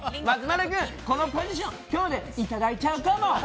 松丸君、このポジション、今日でいただいちゃうかも。